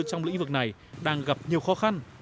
trong lĩnh vực này đang gặp nhiều khó khăn